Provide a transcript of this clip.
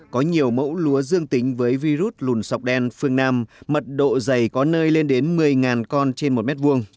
có nhiều mẫu lúa dương tính với virus lùn sọc đen phương nam mật độ dày có nơi lên đến một mươi con trên một mét vuông